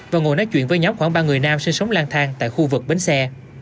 và ngồi nói chuyện với nhóm khoảng ba người nam sinh sống lang thang tại khu vực bến xe